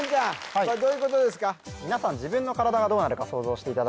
これどういうことですか？